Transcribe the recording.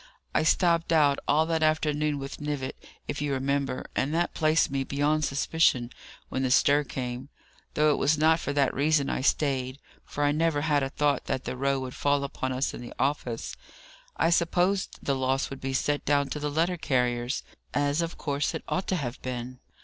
I stopped out all that afternoon with Knivett, if you remember, and that placed me beyond suspicion when the stir came, though it was not for that reason I stayed, for I never had a thought that the row would fall upon us in the office. I supposed the loss would be set down to the letter carriers as of course it ought to have been.